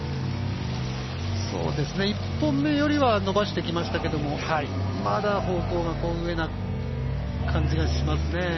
１本目よりは伸ばしてきましたけどもまだ、方向が上な感じがしますね。